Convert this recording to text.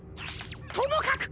ともかく！